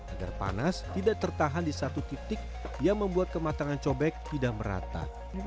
agar panas tidak tertahan di satu titik yang membuat kematangan cobek tidak merata